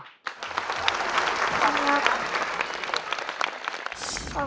ขอบคุณครับ